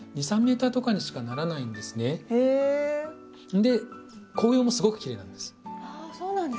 で紅葉もすごくきれいなんです。